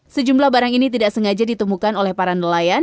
sejumlah barang ini tidak sengaja ditemukan oleh para nelayan